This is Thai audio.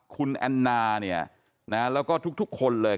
คุณแอนนาเนี่ยนะแล้วก็ทุกคนเลย